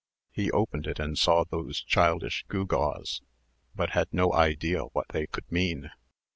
He opened it, and saw those childish gewgaws, but had no idea what they could mean.